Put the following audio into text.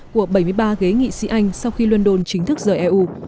của bảy mươi ba ghế nghị sĩ anh sau khi london chính thức rời eu